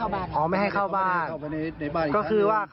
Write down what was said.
คุณยายเปิดเผยว่าคุณตาป่วยเป็นผู้ป่วยติดเตียงเป็นปีแล้วนะคะ